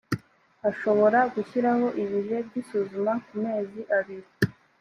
ashobora gushyiraho ibihe by’isuzuma ku mezi abiri